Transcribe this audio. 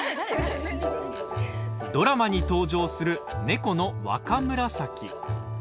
ドラマに登場する、猫の若紫。